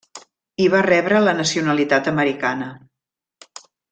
I va rebre la nacionalitat americana.